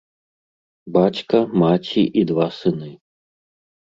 Бацька, маці і два сыны.